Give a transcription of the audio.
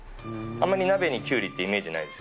あまり鍋にキュウリってイメージないですよね。